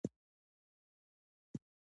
په پسرلي کي هوا ډېره ښه وي .